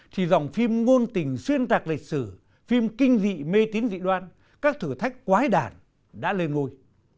thì dòng phim ngôn tình xuyên tạc lịch sử phim kinh dị mê tín dị đoan các thử thách quái đản đã lên ngôi